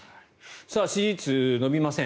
支持率伸びません。